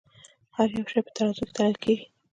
هر يو شے پۀ ترازو تللے کيږې